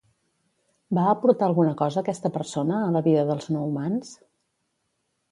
Va aportar alguna cosa aquesta persona a la vida dels no humans?